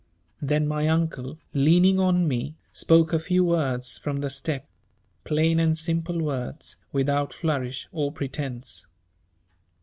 Then my Uncle, leaning on me, spoke a few words from the step, plain and simple words without flourish or pretence.